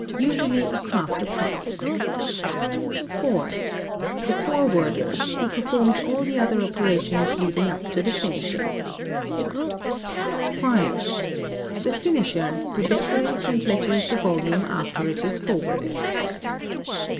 Usually a craft apart. (4) The forwarder, who performs all the other operations leading up to the finishing. (5) The finisher, who decorates and letters the volume after it is forwarded.